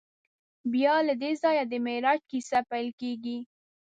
بیا له دې ځایه د معراج کیسه پیل کېږي.